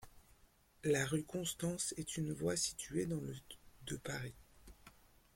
La rue Constance est une voie située dans le de Paris.